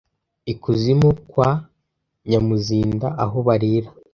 ikuzimu kwa nyamuzinda aho barira